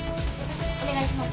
お願いします。